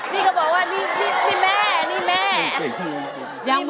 นี่ก็บอกว่านี่แม่